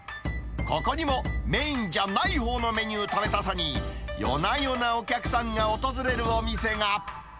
ここにも、メインじゃないほうのメニュー食べたさに、夜な夜なお客さんが訪れるお店が。